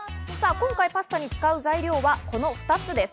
今回、パスタに使う材料はこの２つです。